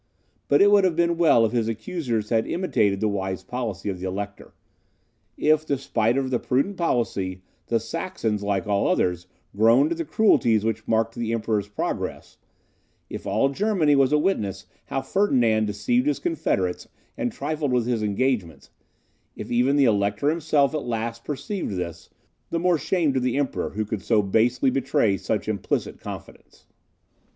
But it would have been well if his accusers had imitated the wise policy of the Elector. If, despite of the prudent policy, the Saxons, like all others, groaned at the cruelties which marked the Emperor's progress; if all Germany was a witness how Ferdinand deceived his confederates and trifled with his engagements; if even the Elector himself at last perceived this the more shame to the Emperor who could so basely betray such implicit confidence.